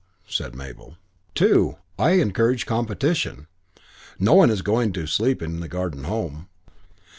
said Mabel. "Two. I encourage competition. No one is going to sleep in the Garden Home."